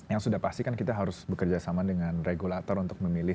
yang sudah pasti kan kita harus bekerja sama dengan regulator untuk memilih